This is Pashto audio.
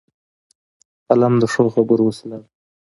قلم د ښو خبرو وسیله ده